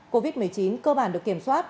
covid một mươi chín cơ bản được kiểm soát